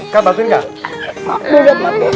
cepet cepet kasih